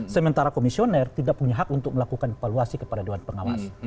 sementara komisioner tidak punya hak untuk melakukan evaluasi kepada dewan pengawas